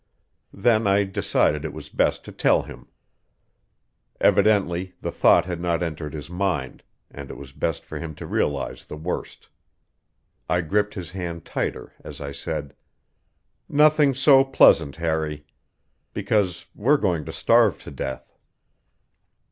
Then I decided it was best to tell him. Evidently the thought had not entered his mind, and it was best for him to realize the worst. I gripped his hand tighter as I said: "Nothing so pleasant, Harry. Because we're going to starve to death."